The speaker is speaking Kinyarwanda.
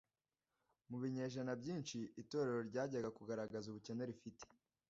Mu binyejana byinshi, itorero ryajyaga kugaragaza ubukene rifite